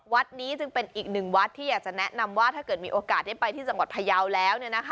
วัดนี้จึงเป็นอีกหนึ่งวัดที่อยากจะแนะนำว่าถ้าเกิดมีโอกาสได้ไปที่จังหวัดพยาวแล้ว